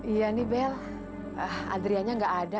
iya nih bel adriannya gak ada